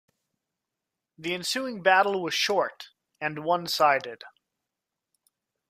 The ensuing battle was short and one-sided.